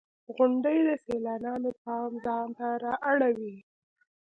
• غونډۍ د سیلانیانو پام ځان ته را اړوي.